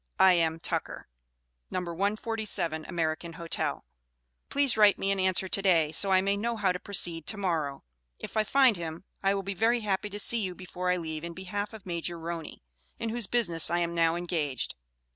I.M. TUCKER. No. 147 American Hotel. Please write me an answer to day, so I may know how to proceed to morrow. If I find him I will be very happy to see you before I leave in behalf of Major Roney, in whose business I am now engaged.